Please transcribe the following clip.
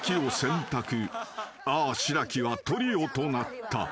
［あぁしらきはトリオとなった］